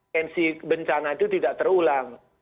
tensi bencana itu tidak terulang